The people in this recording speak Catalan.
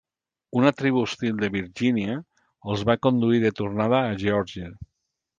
Una tribu hostil de Virgínia els va conduir de tornada a Geòrgia.